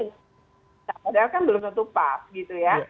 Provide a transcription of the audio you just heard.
padahal kan belum menutup pas gitu ya